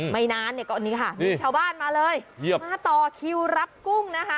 ไม่นานก็ก็มีชาวบ้านมาเลยมาต่อคิวรับกุ้งนะคะ